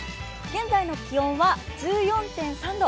現在の気温は１４．３度。